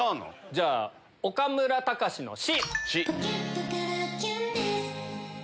じゃあ岡村隆史の「し」。